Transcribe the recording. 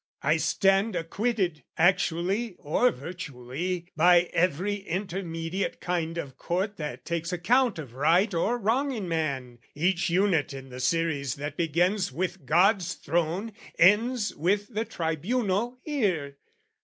I stand Acquitted, actually or virtually, By every intermediate kind of court That takes account of right or wrong in man, Each unit in the series that begins With God's throne, ends with the tribunal here.